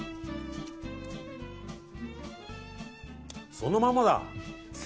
そのままだ。